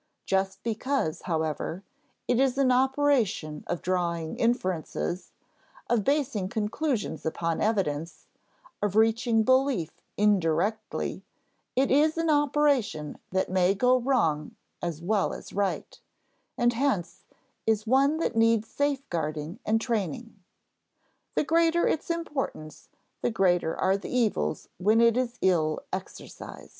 Just because, however, it is an operation of drawing inferences, of basing conclusions upon evidence, of reaching belief indirectly, it is an operation that may go wrong as well as right, and hence is one that needs safeguarding and training. The greater its importance the greater are the evils when it is ill exercised.